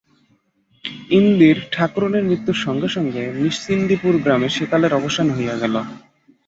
ইন্দির ঠাকরুনের মৃত্যুর সঙ্গে সঙ্গে নিশ্চিন্দিপুর গ্রামে সেকালের অবসান হইয়া গেল।